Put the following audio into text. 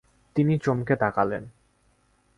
তিনি চমকে তাকালেন।